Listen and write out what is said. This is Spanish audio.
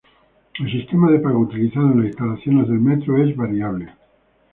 El sistema de pago utilizado en las instalaciones del metro es variable.